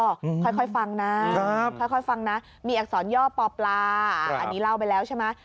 ค่อยฟังนะค่อยฟังนะมีอักษรย่อปอปลาอันนี้เล่าไปแล้วใช่ไหม